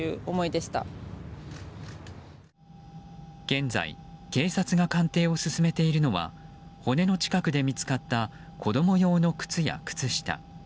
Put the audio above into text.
現在、警察が鑑定を進めているのは骨の近くで見つかった子供用の靴や靴下。